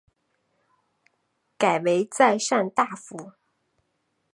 改为赞善大夫。